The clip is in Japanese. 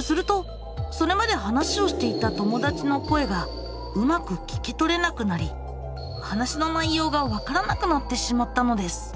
するとそれまで話をしていた友だちの声がうまく聞き取れなくなり話の内容がわからなくなってしまったのです。